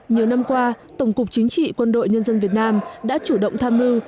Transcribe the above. nhiều năm qua tổng cục chính trị quân đội nhân dân việt nam đã chủ động tham mưu